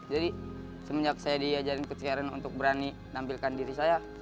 jadi semenjak saya diajarin ke sekeren untuk berani nampilkan diri saya